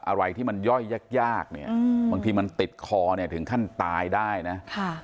อะไรที่มันย่อยยากเนี่ยบางทีมันติดคอเนี่ยถึงขั้นตายได้นะ